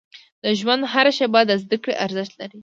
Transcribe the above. • د ژوند هره شیبه د زده کړې ارزښت لري.